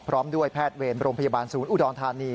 พร้อมด้วยแพทย์เวรโรงพยาบาลศูนย์อุดรธานี